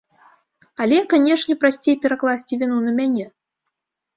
Але, канешне, прасцей перакласці віну на мяне.